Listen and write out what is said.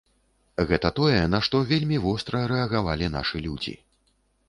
Гэта тое, на што вельмі востра рэагавалі нашы людзі.